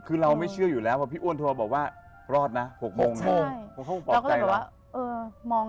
คือเราไม่เชื่ออยู่แล้วเพราะพี่อ้วนโทรบอกว่ารอดนะ๖โมง๖โมง